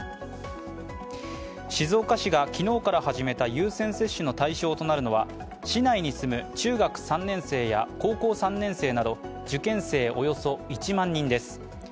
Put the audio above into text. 静岡市が昨日から始めた優先接種の対象となるのは市内に住む中学３年生や高校３年生など受験生およそ１万人です。